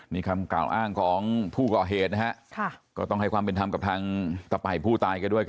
นี่คำกล่าวอ้างของผู้ก่อเหตุนะฮะก็ต้องให้ความเป็นธรรมกับทางตะป่ายผู้ตายกันด้วย